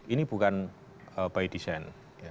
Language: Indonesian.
ini bukan by design